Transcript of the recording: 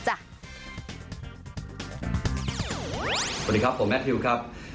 สวัสดีครับผมแมททิวครับ